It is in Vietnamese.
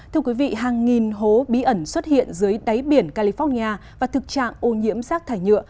hàng nghìn hố bí ẩn xuất hiện dưới đáy biển california và thực trạng ô nhiễm sát thải nhựa